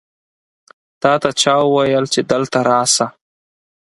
تا ته چا وویل چې دلته راسه؟